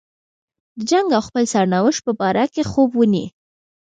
د جنګ او خپل سرنوشت په باره کې خوب ویني.